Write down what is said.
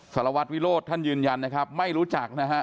สารวัตรวิโรธท่านยืนยันนะครับไม่รู้จักนะฮะ